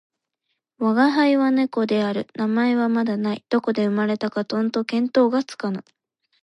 吾輩は猫である。名前はまだない。どこで生れたかとんと見当がつかぬ。